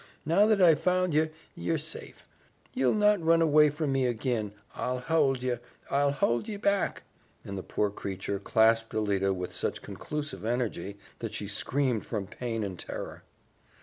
Now that I've found ye, ye're safe. Ye'll not run away from me ag'in. I'll hould ye I'll hould ye back," and the poor creature clasped Alida with such conclusive energy that she screamed from pain and terror.